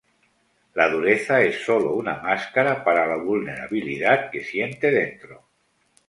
La dureza es solo una máscara para la vulnerabilidad que siente dentro.